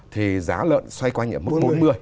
thì giá lợn xoay qua nhiệm mức bốn mươi